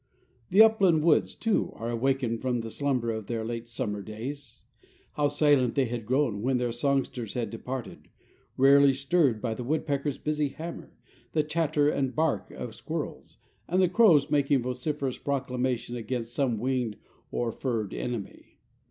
The upland woods, too, are awakened from the slumber of their late summer days. How silent they had grown when their songsters had departed, rarely stirred but by the woodpecker's busy hammer, the chatter and bark of squirrels, and the crows making vociferous proclamation against some winged or furred enemy.